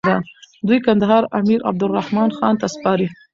دوی کندهار امير عبدالرحمن خان ته سپاري.